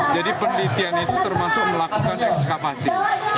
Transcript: jadi penelitian itu termasuk melakukan ekskavasi